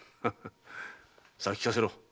さあ聞かせろ。